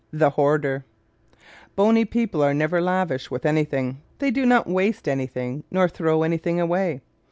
The Hoarder ¶ Bony people are never lavish with anything. They do not waste anything nor throw anything away.